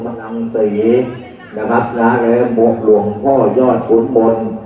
อุปนังศรีนะครับและบวกหลวงพ่อยอดขุนมนต์